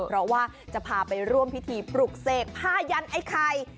เพราะว่าจะพาไปร่วมพิธีปลุกเสกผ้ายันไอ้ไข่